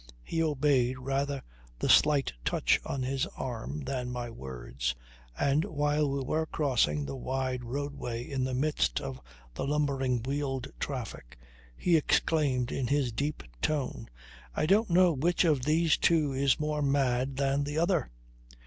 He obeyed rather the slight touch on his arm than my words, and while we were crossing the wide roadway in the midst of the lumbering wheeled traffic, he exclaimed in his deep tone, "I don't know which of these two is more mad than the other!"